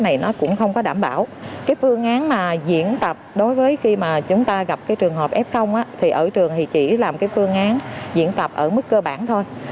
cái phương án mà diễn tập đối với khi mà chúng ta gặp cái trường hợp f thì ở trường thì chỉ làm cái phương án diễn tập ở mức cơ bản thôi